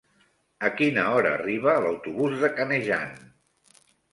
A quina hora arriba l'autobús de Canejan?